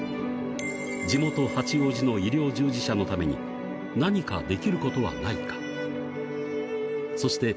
地元、八王子の医療従事者のために、何かできることはないか。